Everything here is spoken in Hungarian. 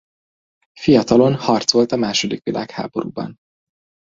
Fiatalon harcolt a második világháborúban.